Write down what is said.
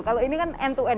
kalau ini kan end to end